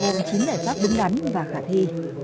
gồm chính giải pháp đúng đắn và khả thi